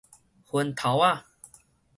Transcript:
薰頭仔